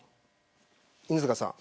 犬塚さん